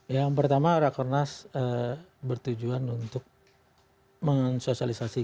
yang pertama rakornas bertujuan untuk mensosialisasikan